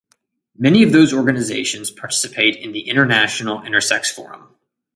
Many of those organizations participate in the International Intersex Forum.